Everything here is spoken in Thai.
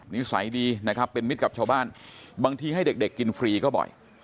นิสัยดีนะครับเป็นมิตรกับชาวบ้านบางทีให้เด็กกินฟรีก็บ่อย